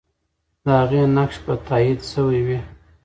د هغې نقش به تایید سوی وي.